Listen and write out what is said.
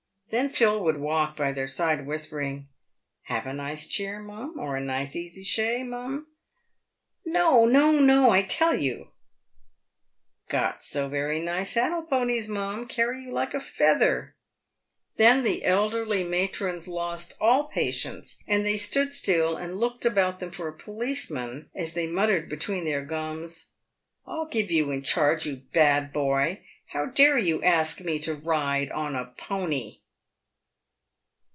Then Phil would walk by their side, whispering, "Have a nice cheer, mum, or a nice easy shay, mum ?"" No, no, no, I tell you !"" Got so very nice saddle ponies, mum — carry you like a feather !"# Then the elderly matrons lost all patience, and they stood still and looked about them for a policeman, as they muttered between their gums, " I'll give you in charge, you bad boy ! How dare you ask me to ride on a pony